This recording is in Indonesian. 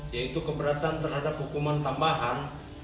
yaitu keberatan terhadap hukuman tambahan